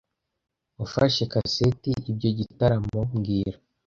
Wafashe kaseti ibyo gitaramo mbwira